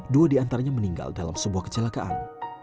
dua di antaranya meninggal dalam sebuah kecelakaan